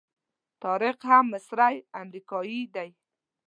طارق هم مصری امریکایي دی.